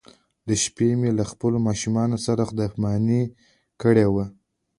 د شپې مې له خپلو ماشومانو سره خدای پاماني کړې وه.